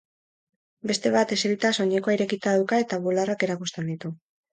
Beste bat, eserita, soinekoa irekita dauka eta bularrak erakusten ditu.